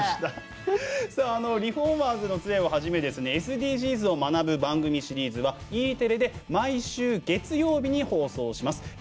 「リフォーマーズの杖」をはじめＳＤＧｓを学ぶ番組シリーズはＥテレで毎週月曜日に放送します。